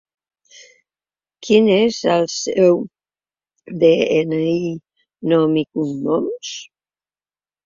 Quin és el seu de-ena-i, nom i cognoms?